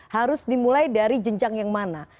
harus dimulai dari jenjang yang mana